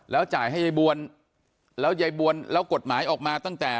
แล้วจ่ายให้ยายบวลแล้วกฎหมายออกมาตั้งแต่